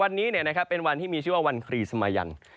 วันนี้เป็นวันที่มีชื่อว่าวันครีสมายัน